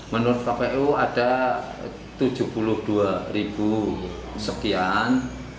menurut kpu ada tujuh puluh dua ribu sekian